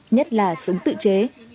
nhất là súng tự chế